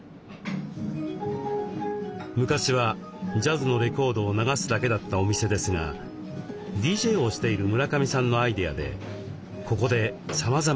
昔はジャズのレコードを流すだけだったお店ですがＤＪをしている村上さんのアイデアでここでさまざまなイベントも開催。